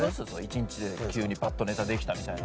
１日で急にバッとネタできたみたいな。